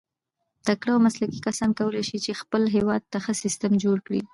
تکړه او مسلکي کسان کولای سي، چي خپل هېواد ته ښه سیسټم جوړ کي.